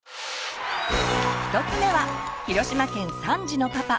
１つ目は広島県３児のパパ